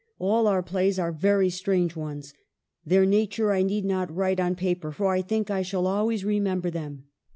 All our plays are very strange ones. Their nature I need not write on paper, for I think I shall always remember them.